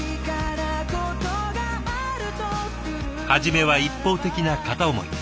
初めは一方的な片思い。